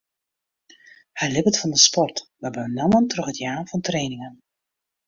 Hy libbet fan de sport, mar benammen troch it jaan fan trainingen.